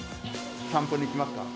散歩に行きますか。